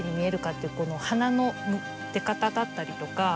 この花の出方だったりとか。